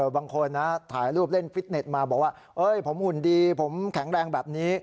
บางคนนะถ่ายรูปเล่นฟิตเน็ตมาบอกว่าผมหุ่นดีผมแข็งแรงแบบนี้